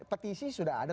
petisi sudah ada